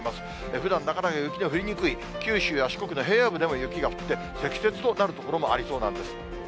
ふだんなかなか雪の降りにくい九州や四国の平野部でも雪が降って、積雪となる所もありそうなんです。